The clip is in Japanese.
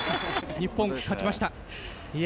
日本、勝ちました。